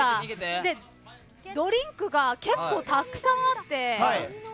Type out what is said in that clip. ドリンクが結構たくさんあって。